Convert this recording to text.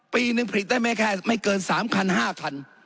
ปีหนึ่งผลิตได้ไม่เกิน๓๕คัน